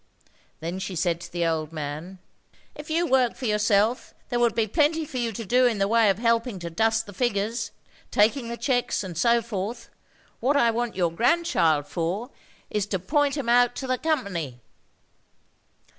Then she said to the old man, "If you work for yourself, there would be plenty for you to do in the way of helping to dust the figures, taking the checks, and so forth. What I want your grandchild for, is to point 'em out to the company.